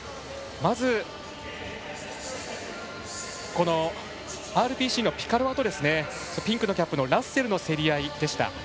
まずＲＰＣのピカロワとピンクのキャップのラッセルの競り合いでした。